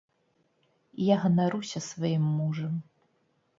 Я ганаруся сваім мужам.